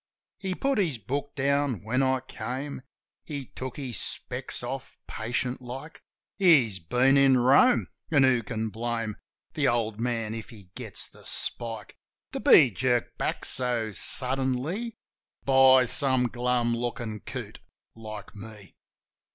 He put his book down when I came, He took his specs off, patient like. He's been in Rome ; an' who can blame The old man if he gets the spike To be jerked back so suddenly By some glum lookin' coot like me.